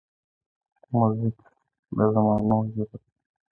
موزیک د زمانو ژبه ده.